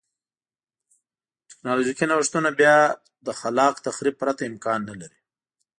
ټکنالوژیکي نوښتونه بیا له خلاق تخریب پرته امکان نه لري.